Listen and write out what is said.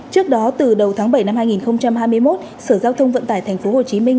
trước đó từ đầu tháng bảy năm hai nghìn hai mươi một sở giao thông vận tải thành phố hồ chí minh